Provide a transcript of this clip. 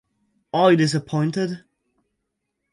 Are you disappointed?